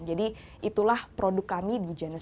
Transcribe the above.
jadi itulah produk kami di genexis